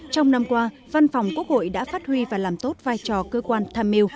trong năm qua văn phòng quốc hội đã phát huy và làm tốt vai trò cơ quan tham mưu